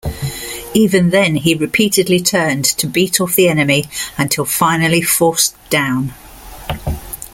Even then, he repeatedly turned to beat off the enemy until finally forced down.